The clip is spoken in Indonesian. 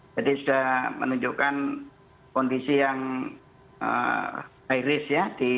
jadi sudah menunjukkan kondisi yang high risk ya